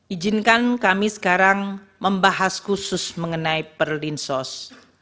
ijinkan kami sekarang membahas khusus mengenai perlinsos